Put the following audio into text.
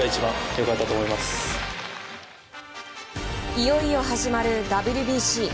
いよいよ始まるＷＢＣ。